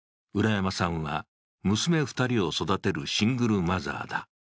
浦山さんは娘２人を育てるシングルマザーだ。